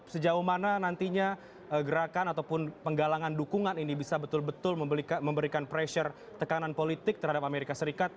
sejauh mana nantinya gerakan ataupun penggalangan dukungan ini bisa betul betul memberikan pressure tekanan politik terhadap amerika serikat